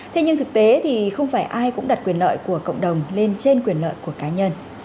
thế nhưng thực tế thì không phải ai cũng đặt quyền lợi của cộng đồng lên trên quyền lợi của cá nhân